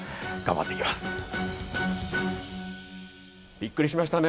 びっくりしましたね。